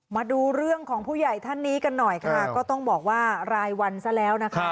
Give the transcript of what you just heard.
มาดูเรื่องของผู้ใหญ่ท่านนี้กันหน่อยค่ะก็ต้องบอกว่ารายวันซะแล้วนะคะ